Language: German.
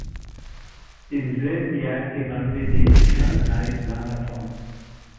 Im selben Jahr gewann sie den Shanghai-Marathon.